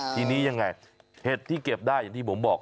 ทีนี้ยังไงเห็ดที่เก็บได้อย่างที่ผมบอก